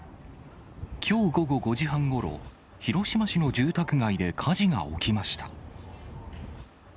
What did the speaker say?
きょう午後５時半ごろ、広島市の住宅街で火事が起きました。